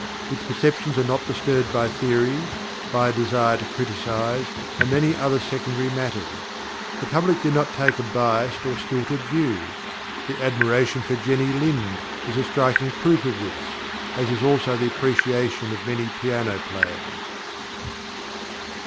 Its perceptions are not disturbed by theories, by a desire to criticise, and many other secondary matters. The public do not take a biassed or stilted view. The admiration for Jenny Lind is a striking proof of this, as is also the appreciation of many piano players.